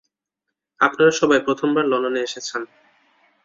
আপনারা সবাই প্রথমবার লন্ডনে এসেছেন।